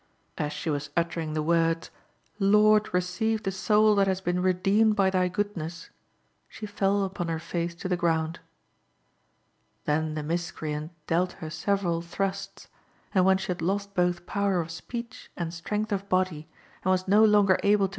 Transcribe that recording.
As she was uttering the words, "Lord, receive the soul that has been redeemed by Thy goodness," she fell upon her face to the ground. Then the miscreant dealt her several thrusts, and when she had lost both power of speech and strength of body, and was no longer able to make any defence, he ravished her.